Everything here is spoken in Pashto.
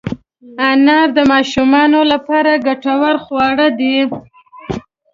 انار د ماشومانو لپاره ګټور خواړه دي.